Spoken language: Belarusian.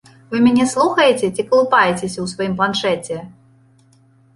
Вы мяне слухаеце ці калупаецеся ў сваім планшэце?!